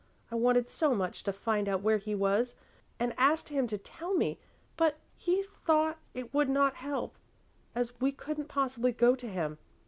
I wanted so much to find out where he was, and asked him to tell me, but he thought it would not help, as we couldn't possibly go to him.